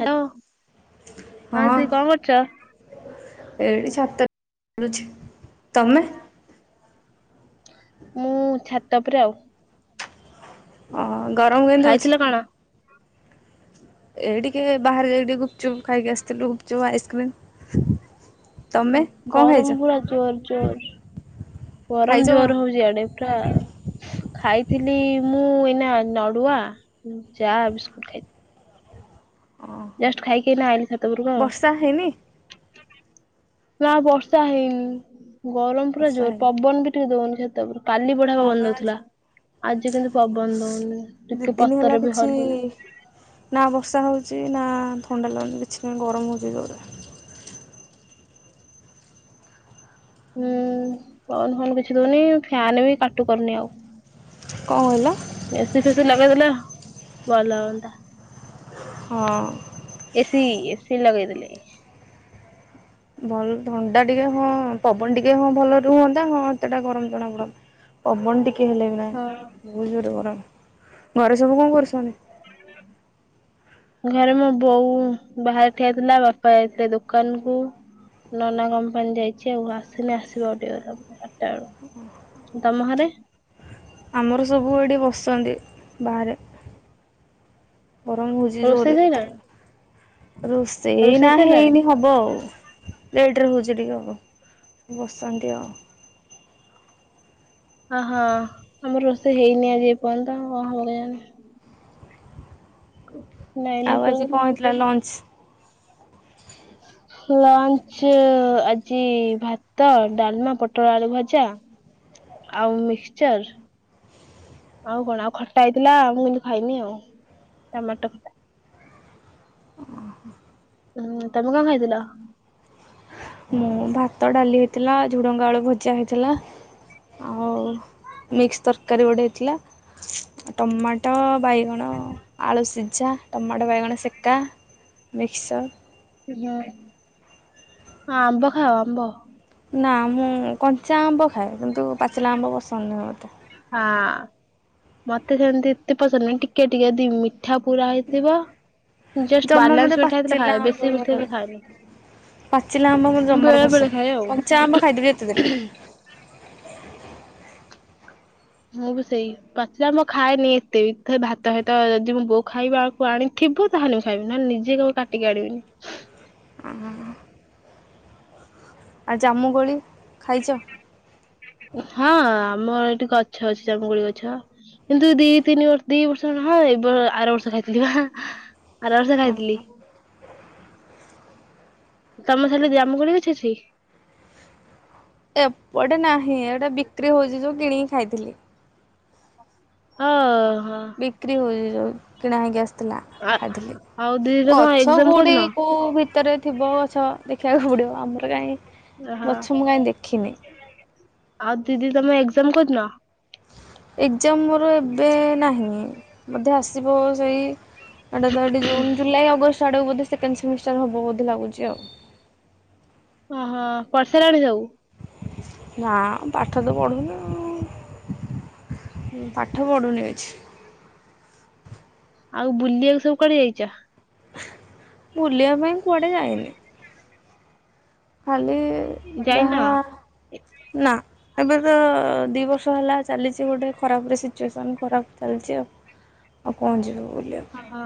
Hello ହଁ। ଦିଦି କଣ କରୁଛ? ଏଇଠି ଛାତ ବୁଲୁଛି ତମେ? ମୁଁ ଛାତ ଉପରେ ଆଉ। ଅ ଗରମ କେମିତି ହଉଛି? ଖାଇଥିଲ କଣ? ଏଇ ଟିକେ ବାହାରେ ଯାଇକି ଟିକେ ଗୁପଚୁପ୍ ଖାଇକି ଆସିଥିଲୁ ଗୁପଚୁପ ଆଇସ୍କ୍ରିମ। ଗରମ ପୁରା ଜୋର ଜୋର ଖାଇଛ ଗରମ କଣ? ଜୋର ହଉଚି ଇଆଡେ। ପୁରା ଖାଇଥିଲି ମୁଁ ଏଇନା ନଡୁଆ ଚା ବିସ୍କୁଟ ଖାଇଥିଲି। ହଁ ଜଷ୍ଟ ଖାଇକି ଏଇନା ଆଇଲି ଛାତ ଉପରକୁ ଆଉ। ବର୍ଷା ହେଇନି? ନା ବର୍ଷା ହେଇନି। ଗରମ ପୁରା ବର୍ଷା ଜୋରେ ହେଇନି ପବନ ବି ଟିକେ ଦଉନି ଛାତ ଉପରେକୁ। କାଲି ବଢିଆ ହଁ ପା ପବନ ଆଜି ଦଉଥିଲା ଆଜି କିନ୍ତୁ ପବନ ଦଉନି ଦି ଟିକେ ଦିନ ହେଲା ପତର ବି କିଛି ହଲୁନି। ନା ବର୍ଷା ହେଉଚି ନା ଥଣ୍ଡା ଲାଗୁଚି କିଛିନାଇଁ ଗରମ ହେଉଚି ଜୋରେ। ହୁଁ ପବନ ଫବନ କିଛି ଦଉନି ଫ୍ୟାନ ବି କାଟୁ କରୁନି ଆଉ। କଣ କହିଲ? ଏସି ଫେସି ଲଗେଇଦେଲେ ଭଲ ହୁଅନ୍ତା। ହଁ। ଏସି ଏସି ଲଗେଇଦେଲେ। ଭଲ ଥଣ୍ଡା ଟିକେ ହଁ ପବନ ଟିକେ ହଁ ଭଲ ରୁହନ୍ତା ହଁ ହେତେଟା ଗରମ ଜଣା ପଡନ୍ତା ପବନ ଟିକେ ହେଲେ ବି ନାଇଁ ହଁ। ବୋହୁତୁ ଜୋରେ ଗରମ୍ ଘରେ ସବୁ କଣ କରୁଛନ୍ତି? [inaudible] ଘରେ ମୋ ବୋଉ ବାହାରାରେ ଠିଆ ଥିଲା ବାପା ଯାଇଥିଲେ ଦୋକାନ କୁ। ନନା କମ୍ପାନୀ ଯାଇଛି ଆଉ ଆସନି ଆସିବା ଗୋ ଟେ ଆଠଟା ବେଳୁ। ତମ ହରେ? ଆମର ସବୁ ଏଠି ବସନ୍ତି ବାହାରେ। ଗରମ୍ ହଉଛି ରୋଷେଇ ଜୋରେ ସଇଲାଣି କତରେ ରୋଷେଇ ନା ହେଇନି ହବ ବ ଆଉ ଲେଟ୍ରେ ହେଉଛି ଟିକେ ଆଉ ବସଛନ୍ତି ଆଉ। ଅହଁ ଆମର ରୋଷେଇ ହେଇନି ଆଜି ଏ ପର୍ଯ୍ୟନ୍ତ ଆଉ କ ହେବ କେଜାଣି? ଲାଇନି ଆଉ ଆଜି ପଳେଇଲା। କଣ ହେଇଥିଲା ଲଞ୍ଚ? [unintelligible] ଲଞ୍ଚ ଆଜି ଭାତ ଡାଲମା ପୋଟଳ ଆଳୁ ଭଜା। ଆଉ ମିକ୍ସିଚର। ଆଉ କଣ ଆଉ ଖଟା ହେଇଥିଲା ମୁଁ କିନ୍ତୁ ଖାଇନି ଆଉ ଟମାଟୋ ଖଟା। ଓହୋ। ହୁଁ ତମେ କଣ ଖାଇଥିଲ? ମୁଁ ଭାତ ଡାଲି ହେଇଥିଲା ଝୁଡ଼ଙ୍ଗା ଆଳୁ ଭଜା ହେଇଥିଲା ଆଉ ମିକ୍ସି ତରକାରୀ ଗୋଟେ ହେଇଥିଲା। ଟମାଟୋ ବାଇଗଣ ଆଳୁ ସିଝା ଟମାଟୋ ବାଇଗଣ ସେକା। ମିକ୍ସଚ ହୁଁ ହଁ ଆମ୍ବ ଖାଅ ଆମ୍ବ? ନା ମୁଁ କଞ୍ଚା ଆମ୍ବ ଖାଏ। କିନ୍ତୁ ପାଚିଲା ଆମ୍ବ ପସନ୍ଦ ନାହିଁ ମୋତେ। ହଁ ମତେ ସେମିତି ଏତେ ପସନ୍ଦ ନାହି ଟିକେ ଟିକେ ଦ ମି ମିଠା ପୁରା ହେଇଥିବ ଜଷ୍ଟ ଜମା ମୋତେ ବାଲାନ୍ସ ମିଠା ହେଇଥିଲେ ପାଚିଲା ଖାଏ। ଆମ୍ବ ବେଶୀ ଭଲ ମିଠା ହେଇଥିଲେ ଲାଗେ। ଖାଏନି। ପାଚିଲା ଆମ୍ବ ମୁଁ ଜମାରୁ ବେଳେ ବେଳେ ପସନ୍ଦ ଖାଏ ଆଉ କଞ୍ଚା ଆମ୍ବ ଖାଇଦବି ଯେତେ ଦେଲେ। ମୁଁ ବି ସେଇ ପଚିଲା ଆମ୍ବ ଖାଏନି ଏତେ ବି ଭାତ ସହିତ ଯଦି ମୁଁ ବୋଉ ଖାଇବାକୁ ଆଣିଥିବ ତା ହେଲେ ମୁଁ ଖାଇବିନ ନିଯେ କଉ କାଟିକି ଆଣିବିନୀ। [unintelligible] [unintelligible] ଆଉ ଜାମୁ କୋଳି ଖାଇଛ? ହଁ ଆମର ଏଠି ଗଛ ଅଛି ଜାମୁ କୋଳି ଗଛ। କିନ୍ତୁ ଦି ତିନି ବର୍ଷ ଦି ବର୍ଷ ହଁ ଏ ବ ଆର ବର୍ଷ ଖାଇଥିଲି ବା ଆର ବର୍ଷ ଖାଇଥିଲି। ତମ ସାଲେ ଜାମୁଁ କୋଳି ଗଛ ଅଛି। ଏପଟେ ନାହିଁ ଏଟା ବିକ୍ରି ହଉଛି ଯୋଉ କିଣିକି ଖାଇଥିଲି। [unintelligible] ଅ ହ। ବିକ୍ରି ହଉଛି ଯୋଉ କିଣା ହେଇ କି ଆସ ଥିଲା ଖାଇଥିଲି ଆଉ ଦିଦି ତମ ଗଛ ଏକ୍ଜାମ କୋଉଠି କୋଉଦିନ? କୁ ଭି ଭିତରେ ଥିବ ଗଛ ଦେଖିବାକୁ ପଡିବ ଆମର କାହିଁ ହଁ ଗଛ ମୁଁ କାହିଁ ଦେଖିନି। ଆଉ ଦିଦି ତମେ ଏକ୍ଜାମ କୋଉଦିନ? ଏକ୍ଜାମ ମୋର ଏବେ ନାହିଁ। ବୋଧେ ଆସିବ ସେଇ ଏଇଟା ଏଠି ଜୁନ ଜୁଲାଇ ଅଗଷ୍ଟ। ଆଡ଼କୁ ସେକେଣ୍ଡ ସେମିଷ୍ଟାର ହବ ବୋଧେ ଲାଗୁଛି ଆଉ। ଓହୋ ପଢ଼ିସାରିଲାଣି ସବୁ? ନା ପାଠ ତ ପଢ଼ୁନି ଆଉ। ହୁଁ ପାଠ ପଢୁନି କିଛି। ଆଉ ବୁଲିଆକୁ ସବୁ କୁଆଡେ ଯାଇଚ? ବୁଲିବା ପାଇଁ କୁଆଡେ ଯାଇନି। ଖାଲି ଯାଇନ? ଯାହା ନା। ଏବେ ତ ଦି ବର୍ଷ ହେଲା ଚାଲିଚି ଗୋଟେ ଖରାପ ରେ ସିଚୁଏସନ୍ ଖରାପ ଚାଲିଚି ଆଉ। ଆଉ କଣ ଯିବୁ ବୁଲିବାକୁ। ହଁ।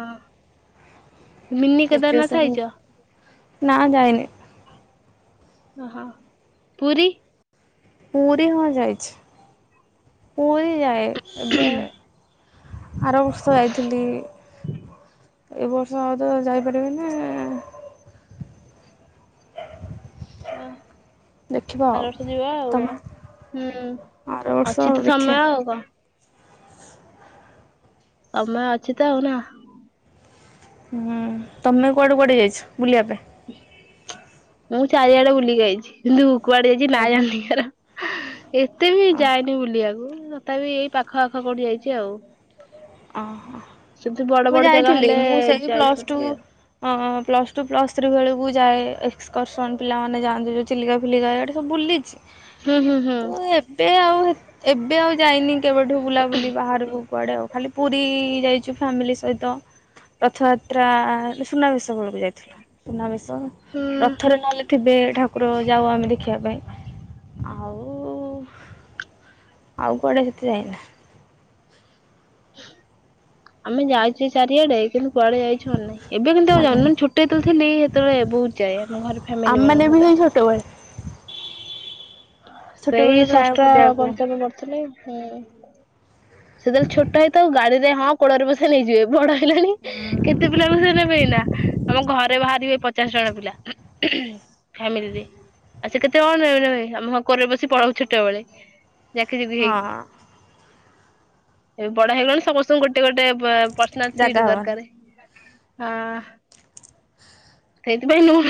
ସିଚୁଏସନ୍ ଆଇଛ? କୁ ନା ଯାଇନି। ଓ ହୋ। ପୁରୀ ପୁରୀ ହଁ ଯାଇଛି। ପୁରୀ ଯାଏ। ଏବେ ଆର ବର୍ଷ ଯାଇଥିଲି। ଏ ବର୍ଷ ଆଉ ତ ଯାଇପାରିବିନି। [unintelligible] ଦେଖିବା ଆର ଆଉ ବର୍ଷ ଯିବା ଆଉ ତମେ କଣ। ହୁଁ, ଆର ବର୍ଷ ଅଛି ତ ସମୟ ଦେଖିବା ଆଉ କଣ। ସମୟ ଅଛି ତ ଆଉ ନା। ହୁଁ। ତମେ କୁଆଡେ କୁଆଡେ ଯାଇଚ ବୁଲିବା ପାଇଁ? ମୁଁ ଚାରିଆଡେ ବୁଲିକି ଆଇଚି। କିନ୍ତୁ କୁଆଡେ ଯାଇଚି ନା ତାହେଲେ ଜାଣିନି ତାର। ଏତେ ବି ଅ ଯାଇନି ବୁଲିବାକୁ। ତଥାପି ଏଇ ପାଖ ଆଖ କୋଉଠି ଯାଇଚି ଆଉ। ଅ ହ। ସେମିତି ବଡ ମୁଁ ବଡ ଜାଗା ଯାଇଥିଲି। ହେଲେ ମୁଁ ସେଇ ପ୍ଲସ ଟୁ ଯାଇଛନ୍ତି ଆଉ। ଅଁ ପ୍ଲସ୍ ଟୁ ପ୍ଲସ୍ ଥ୍ରୀ ବେଳକୁ ଯାଏ। ଏକ୍ସକର୍ସନ୍ ପିଲାମାନେ ଯାଆନ୍ତି ଯୋଉ ଚିଲିକା ଫିଲିକା ଆଡେ ସବୁ ବୁଲିଚି। ହୁଁ ହୁଁ ହୁଁ ମୁଁ ଏବେ ଆଉ ହେ ଏବେ ଆଉ ଯାଇନି କେବେଠୁ ବୁଲାବୁଲି ବାହାରକୁ। କୁଆଡେ ଆଉ। ଖାଲି ପୁରୀ ଯାଇଚୁ ଫ୍ୟାମିଲି ସହିତ। ରଥଯାତ୍ରା ସୁନାବେଶ ବେଳକୁ ଯାଇ ଥିଲୁ। ସୁନାବେଶ ହୁଁ। ରଥରେ ନହେଲେ ଥିବେ ଠାକୁର ଯାଉ ଆମେ ଦେଖିବା ପାଇଁ। ଆଉ ଆଉ କୁଆଡେ ସେତେ ଯାଇନା। ଆମେ ଯାଇଚର ଚାରିଆଡେ। କିନ୍ତୁ କୁଆଡ଼େ ଯାଇଛୁ ମନେନାହିଁ। ଏବେ କିନ୍ତୁ ଆଉ ମନେ ନାହିଁ ଯାଉନି। ମାନେ ଛୋଟ ଯେତେବେଳେ ଥିଲି ହେତେବେଳେ ବହୁତ୍ ଯାଏ। ମୁଁ ଘର ଫ୍ୟାମିଲି ଆମେମାନେ ବାଲା ଙ୍କ ବି ସହିତ। ସେଇ ଛୋଟବେଳେ। [inaudible] ସେଇ ଛୋଟବେଳେ ପ୍ରାୟ ଷଷ୍ଠ ବୁଲିବାକୁ ପଞ୍ଚମ ପଢୁଥିଲି। ହୁଁ। ସେତେବେଳେ ଛୋଟ ହେଇଥାଉ ଗାଡିରେ ହଁ କୋଳରେ ବସେଇ ନେଇଯିବେ। ବଡ ହେଲେଣି କେତେ ପିଲାଙ୍କୁ ସେ ନେବେ ଏଇନା। ଆମ ଘରେ ବାହାରିବେ ପଚାଶ ଜଣ ପିଲା, ଫ୍ୟାମିଲିରେ। ଆଉ ସେ କେତେ ଜଣ କୁ ନେବେ ନେବେ। ଆମ ହଁ କୋଳରେ ବସି ପଳାଉ ଛୋଟ ବେଳେ। ଜାକି ଯୁକି ହଁ ହେଇକି। ଏବେ ବଡ ହେଇଗଲୁଣି ସମସ୍ତଙ୍କୁ ଗୋଟେ ଗୋଟେ ବ ପର୍ସନାଲ ଜାଗା ସିଟ୍ଟ ହବନି। ଦରକାରେ। ହଁ। ସେଇଥିପାଇଁ ମୁଁ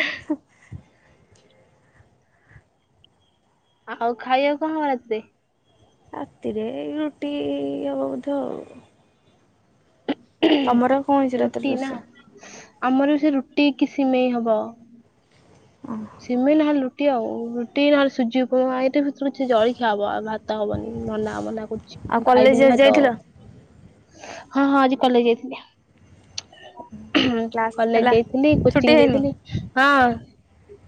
[inaudible] ଆଉ ଖାଇବାକୁ କଣ ହବ ରାତିରେ? ରାତିରେ ରୁଟି ହବ ବୋଧେ ଆଉ। ତମର କଣ ହେଇଛି ରାତିରେ ରୁଟି ନା? ରୋଷେଇ? ଆମର ବି ସେ ରୁଟି କି ସିମେଇ ହବ। ଓ ହ ସିମେଇ ନହେଲେ ରୁଟି ଆଉ। ରୁଟି ନହେଲେ ସୁଜି ଉପମା ଏଇଟା ଭିତରୁ କିଛି ଜଳଖିଆ ହବ। ଆଉ ଭା ତ ହବନି ନନା ମନା କରୁଚି। ଆଉ ମୁଁ କଲେଜ ଖାଇବିନି ଆଜି ଭାତ। ଯାଇଥିଲ? ହଁ ହଁ ଆଜି କଲେଜ୍ ଯାଇଥିଲି। କ୍ଲାସ୍ କଲେଜ ହେଲା ଯାଇଥିଲି ଛୁଟି କୋଚିଂ ହେଇନି? ଯାଇଥିଲି ହଁ।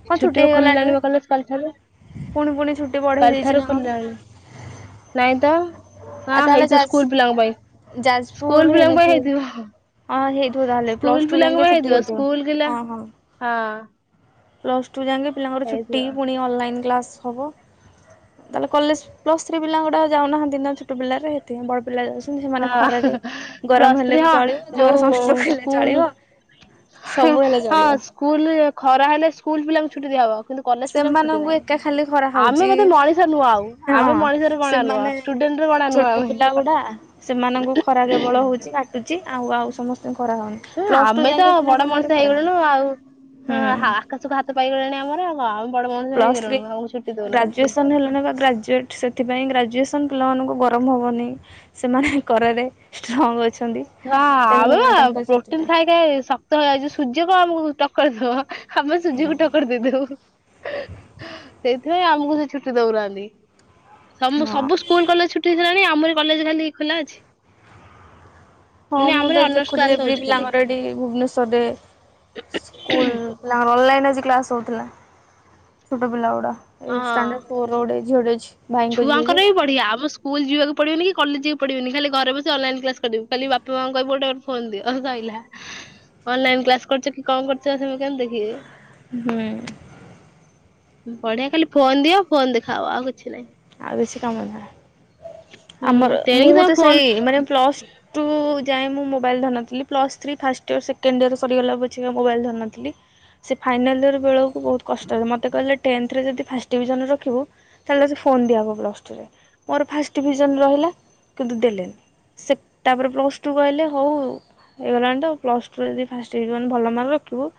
କଣ ଛୁଟି ତ ହେଇଗଲାଣି ବା ଖୋଲିଲାଣି କଲେଜ କାଲିଠାରୁ ପୁଣି ପୁଣି ଛୁଟି ବଢେଇ ଦେଇଛି କାଲିଠାରୁ ନା ଖୋଲିଲାଣି କଣ? ନାଇଁ ତ ଆଉ ହଁ ତାହେଲେ ହେଇଥିବ ଯାଜ ସ୍କୁଲ ପିଲାଙ୍କ ପାଇଁ ଯାଜପୁର ସ୍କୁଲ ପିଲାଙ୍କ ପାଇଁ ହେଇନଥିବ ହେଇଥିବ? ହଁ ହେଇଥିବ ଯାହାହେଲେ ସ୍କୁଲ ପ୍ଲସ ଟୁ ପିଲାଙ୍କ ଯାକେ ପାଇଁ ଛୁଟି ହେଇଥିବ ହୋଇଥିବ ସ୍କୁଲ ପିଲା ହଁ ହଁ। ହଁ। ପ୍ଲସ୍ ଟୁ ଯାକେ ପିଲାଙ୍କର ଛୁଟି ହେଇଥିବ। ପୁଣି ଅନଲାଇନ୍ କ୍ଲାସ୍ ହବ। ତାହାଲେ କଲେଜ ପ୍ଲସ୍ ଥ୍ରୀ ପିଲା ଗୁଡା ଯାଉ ନାହାଁନ୍ତି ନା ଛୋଟ ପିଲାରେ ହେଥି ପାଇଁ ବଡ ପିଲା ଯାଉଛନ୍ତି ହଁ ସେମାନେ ଖରାରେ ପ୍ଲସ୍ ଗରମ ଥ୍ରୀ ହେଲେ ବି ହଁ ଚଳିବ ତାଙ୍କର ଯୋଉ ସଂଷ୍ଟ୍ରୋକ ହେଲେ ସ୍କୁଲ ଚଳିବ। ସବୁ ହେଲେ ହଁ ଚଳିବ। ସ୍କୁଲରେ ଖରା ହେଲେ ସ୍କୁଲ ପିଲାଙ୍କୁ ଛୁଟି ଦିଆହବ। କିନ୍ତୁ କଲେଜ ପିଲାଙ୍କୁ ଛୁଟି ସେମାନଙ୍କୁ ନାହିଁ ଏକା ଖାଲି ଖରା ଆମେ ହଉଛି ବୋଧେ ମଣିଷ ନୁହଁ ଆଉ ଆମେ ହଁ ମଣିଷରେ ଗଣା ନୁହଁ। ସେମାନେ ଷ୍ଟୁଡେଣ୍ଟରେ ଗଣା ନୁହଁ ଛୋଟ ପିଲା ଗୁଡା ସେମାନଙ୍କୁ ଆମେ। ଖରା ପ୍ରବଳ ହଉଛି କାଟୁଚି ଆଉ ଆଉ ସମ କରାହଉନି ଆମେ ତ ବଡ ମଣିଷ ହେଇଗଲୁଣୁ ଆଉ ହା ହୁଁ। ଆକାଶକୁ ହାତ ପାଇଗଲାଣି ଆମର ଆଉ। ଆଉ ବଡ ମଣିଷ ପ୍ଲସ୍ ଥ୍ରୀ ହେଇଗଲୁଣୁ ଆଉ ଛୁଟି ଦଉନାହାନ୍ତି। ଗ୍ରାଜୁଏସନ୍ ହେଲାଣି ବା ଗ୍ରାଜୁଏଟ୍। ସେଥିପାଇଁ ଗ୍ରାଜୁଏସନ ପିଲାମାନଙ୍କୁ ଗରମ ହବନି ସେମାନେ ଖରାରେ ଷ୍ଟ୍ରଙ୍ଗ୍ ଅଛ ହ ଆମେ ବା ପ୍ରୋଟିନ ଖାଇ ଖାଇ ଶକ୍ତ ହେଇଯାଇଛୁ ସୂର୍ଯ୍ୟ କଣ ଆମକୁ ଟକ୍କର ଦବ? ଆମେ ସୂର୍ଯ୍ୟକୁ ଟକର ଦେଇଦବୁ ସେ ସେଥିପାଇଁ ଆମକୁ ସେ ଛୁଟି ଦଉନାହାନ୍ତି ସମୁ ସବୁ ହଁ। ସ୍କୁଲ କଲେଜ ଛୁଟି କେଜାଣି ଆମରି କଲେଜ ଖାଲି ଖୋଲା ଅଛି। ହଁ ପୁଣି ମୁଁ ଆମର ତ ଅନର୍ସ ଦେଖୁଥିଲି କ୍ଲାସ ଏଭ୍ରି ହଉଛି ଖାଲି। ପିଲାଙ୍କର ଏଠି ଭୁବନେଶ୍ୱରରେ ସ୍କୁଲ ନା ଅନଲାଇନ ଆଜି କ୍ଲାସ ହଉଥିଲା ଛୋଟ ପିଲା ଗୁଡା ଏଇ ହଁ। Standard four. ରୋଡ଼ରେ ଝିଅଟେ ଅଛି। ଭାଇଙ୍କ ଝିଅ ଯେ ଛୁଆଙ୍କର ବି ବଢିଆ ଆମ ସ୍କୁ ସ୍କୁଲ ଯିବାକୁ ପଡ଼ିବନି କି କଲେଜ ଯିବାକୁ ପଡ଼ିବନି ଖାଲି ଘରେ ବସି ଅନାଲାଇନ କ୍ଲାସ କରିବୁ ଖାଲି ବାପା ମାଆଙ୍କୁ କହିବୁ ଗୋଟେ ଫୋନ ଦିଅ ସଇଲା ଅନଲାଇନ କ୍ଲାସ କରୁଛ କି କଣ କରୁଛ ସେମାନେ କେମତି ଦେଖିବେ? ହୁଁ। ବଢିଆ ଖାଲି ଫୋନ ଦିଅ ଫୋନ ଦେଖାଅ ଆଉ କିଛି ନାହିଁ। ଆଉ କିଛି କାମ ଧନ୍ଦା ନା ହୁଁ ଆମର ମୁଁ ତେଣିକି ତମେ ତ ଫୋନ ସେଇ ମାନେ ପ୍ଲସ ଟୁ କୁ ଯାଏଁ ମୁଁ ମୋବାଇଲ ଧରି ନଥିଲି plus three first year second year ସରିଗଲା ପଛକେ ମୋବାଇଲ ଧରି ନଥିଲି। ସେ ଫାଇନାଲ୍ ଇୟର ବେଳକୁ ବହୁତ କଷ୍ଟ ମୋତେ କହିଲେ ଟେନ୍ଥରେ ଯଦି ଫାଷ୍ଟ ଟିଭିଜନ ରଖିବୁ ତାହାଲେ ତତେ ଫୋନ୍ ଦିଆହବ ପ୍ଲସ୍ ଟୁରେ ମୋର ଫାଷ୍ଟ ଡିଭିଜନ ରହିଲା କିନ୍ତୁ ଦେଲେନି ସେ ତାପରେ ପ୍ଲସ୍ ଟୁ କୁ ଆଇଲେ ହଉ ହେଇଗଲାଣି ତ ଆଉ ପ୍ଲସ୍ ଟୁରେ ଯଦି ଫାଷ୍ଟ ଡିଭିଜନ ଭଲ ମାର୍କ ରଖିବୁ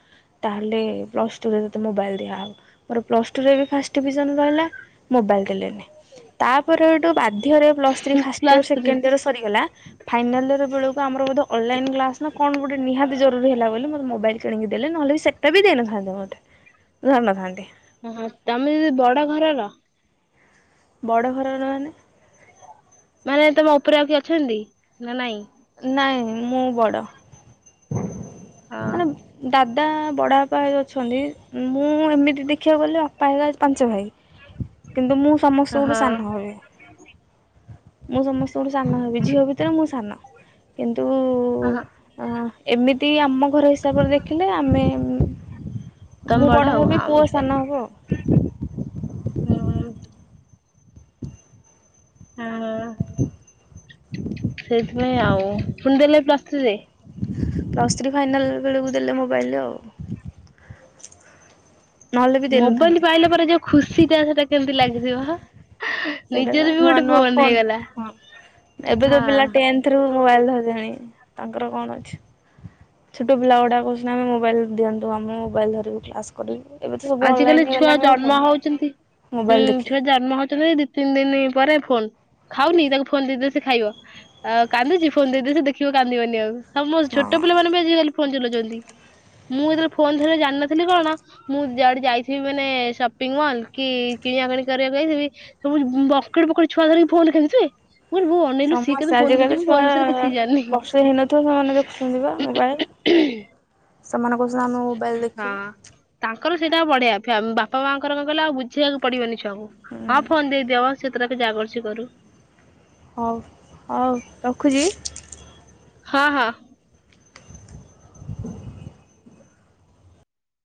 ତାହେଲେ ପ୍ଲସ ଟୁ ରେ ତତେ ମୋବାଇଲ ଦିଆହବ। ମୋର ପ୍ଲସ ଟୁ ରେ ବି ଫାଷ୍ଟ ଡିଭିଜନ ରହିଲା ମୋବାଇଲ ଦେଲେନି ତାପରଠୁ ବା ଧ୍ୟରେ plus three first year class ରେ ସେକେଣ୍ଡ ଇୟର ସରିଗଲା। ଫାଇନାଲ ଇୟରବେଳକୁ ଆମର ବୋଧେ ଅନଲାଇନ କ୍ଲାସ ନା କଣ ଗୋଟେ ନିହାତି ଜରୁରୀ ହେଲା ବୋଲି ମତେ ମୋବାଇଲ କିଣିକି ଦେଲେ ନହେଲେ ସେ ଟା ବି ଦେଇନଥାନ୍ତେ ମତେ ଧରିନଥାନ୍ତି। ଓହୋ ତମେ ଦିଦି ବଡ ଘରର? ବଡ଼ ଘରର ମାନେ? ମାନେ ତମ ଉପରେ ଆଉ କିଏ ଅଛନ୍ତି ନା ନାଇଁ? ନାଇଁ ମୁଁ ବଡ। ମାନେ ହଁ ଦାଦା ବଡ଼ ବାପା ଏ ଅଛନ୍ତି, ମୁଁ ଏମିତି ଦେଖିବାକୁ ଗଲେ ଅପା ହେରିକା ପାଞ୍ଚ ଭାଇ। କିନ୍ତୁ ମୁଁ ସମସ୍ତଙ୍କଠୁ ହଁ। ସାନ ହେବି। ମୁଁ ସମସ୍ତଙ୍କଠୁ ସାନ ହେବି, ଝିଅ ଭିତରେ ମୁଁ ସାନ କିନ୍ତୁ ଓହୋ ଅଁ ଏମିତି ଆମ ଘର ହିସାବରେ ଦେଖିଲେ ଆମେ ତମେ ମୁଁ ବଡ ଆଉ ହେବି, ହଁ ପୁଅ ବୁଝିପାରିଲି। ସାନ ହବ ଆଉ। ହୁଁ। ହଁ [inaudible] ସେଇଥିପାଇଁ ଆଉ ପୁଣି ଦେଲେ ପ୍ଲସ ଥ୍ରି ରେ। ପ୍ଲସ୍ ଥ୍ରୀ ଫାଇନାଲ ବେଳକୁ ଦେଲେ ମୋବାଇଲରେ ଆଉ ନହେଲେ ବି ମୋବାଇଲ ଦେଇନଥାନ୍ତେ। ପାଇଲା ପରେ ଯୋଉ ଖୁସି ଟା ସେଟା କେମତି ଲାଗିଥିବ। ସେଟାତ ନିଜର ବି ନୂଆ ଗୋଟେ ନୂଆ ଫୋନ, ହେଇଗଲା। ହ ଏବେ ଜୋ ହଁ ପିଲା ଟେନ୍ ଏଥିରୁ ମୋବାଇଲ ଧରିଲାଣି ତାଙ୍କର କଣ ଅଛି? ଛୋଟ ପିଲା ଗୁଡ଼ାକ ସିନା ଆମେ ମୋବାଇଲ ଦିଅନ୍ତୁ, ଆମେ ମୋବାଇଲ ଧରିବୁ କ୍ଲାସ୍ କରିବୁ। ଏବେ ତ ସବୁ ଆଜିକାଲି ଅନଲାଇନ୍ ଛୁଆ ହେଇଗଲାଣି ବା ଜନ୍ମ ଫୋନ୍ ହଉଛନ୍ତି ହୁଁ ମୋବାଇଲ୍ ଦେଖି ଛୁଆ ଜା ମହତବେ ଦି ତିନି ଦିନ ପରେ ଫୋନ ଖାଉନି ତାକୁ ଫୋନ ଦେଇ ଦେ ସେ ଖାଇବ। ଆଉ କାନ୍ଦୁଛି ଫୋନ ଦେଇଦେ ସେ ଦେଖିବ କାନ୍ଦିବନି ଆଉ। ସମ ହଁ। ଛୋଟ ପିଲାମାନେ ବି ଆଜିିକାଲି ଫୋନ ଚଲଉଛନ୍ତି। ମୁଁ ଯେତେବେଳେ ଫୋନ ଧରିଆ ଜାଣିିନଥିଲି କଣ ମୁଁ ଯଆଡେ ଯାଇଥିବି ମାନେ ସପିଙ୍ଗ ମଲ୍, କି କିଣା କିଣି କରିବାକୁ ଯାଇଥିବି ସବୁ ବକଟ ବକଟେ ଛୁଆ ଧରିକି ଫୋନ ଖେଲୁଥିବେ ଭୁ ସମସ୍ତେ ଆଜିକାଲି ଛୁଆ, ଜାଣିନି। ବର୍ଷେ ହେଇନଥିବ ସେମାନେ ଦେଖୁଛନ୍ତି ବା ମୋବାଇଲ। ସେମାନଙ୍କ ସହ ଆମେ ମୋବାଇଲ ଦେଖିବୁ ହଁ ତାଙ୍କର ସେଇଟା ବଢିଆ, ବାପା ମାଙ୍କର କଣ କହିଲ ଆଉ ବୁଝେୟାକୁ ପଡିବନି ଛୁଆକୁ। ହଁ ହୁଁ ଫୋନ ଦେଇଦିଅ ମ ସେ ତାର ଯାହା କରୁଛି କରୁ। ହଉ ହଉ ରଖୁଛି। ହଁ ହଁ।